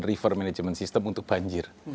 refer management system untuk banjir